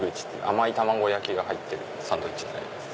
甘い卵焼きが入ってるサンドイッチになります。